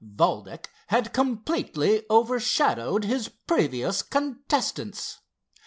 Valdec had completely overshadowed his previous contestants.